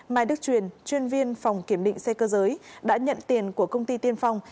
mai đức truyền chuyên viên phòng kiểm định xe cơ giới đã nhận tiền của công ty tiên phong